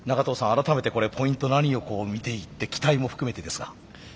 改めてこれポイント何を見ていって期待も含めてですが。